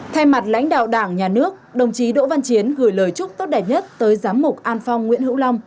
thay mặt lãnh đạo đảng nhà nước đồng chí đỗ văn chiến gửi lời chúc tốt đẹp nhất tới giám mục an phong nguyễn hữu long